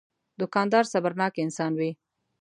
دوکاندار صبرناک انسان وي.